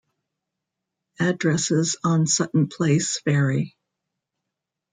Addresses on Sutton Place vary.